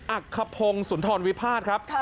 อักขพงศ์สุนทรวิพาทครับ